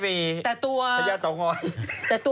ปลาหมึกแท้เต่าทองอร่อยทั้งชนิดเส้นบดเต็มตัว